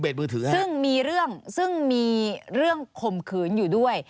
ซึ่งมีเรื่องซึ่งมีเรื่องข่มขืนอยู่ด้วย